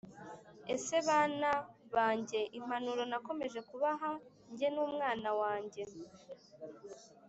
ese bana banjye impanuro nakomeje kubaha jye n’umwana wanjye,